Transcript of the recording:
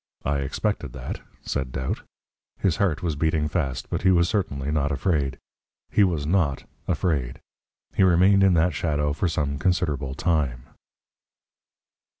"I expected that," said Doubt. His heart was beating fast, but he was certainly not afraid. He was NOT afraid. He remained in that shadow for some considerable time.